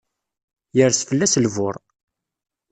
Yers fell-as lbur.